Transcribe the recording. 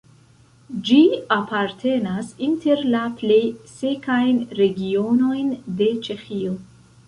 Ĝi apartenas inter la plej sekajn regionojn de Ĉeĥio.